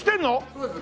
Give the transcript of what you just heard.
そうです。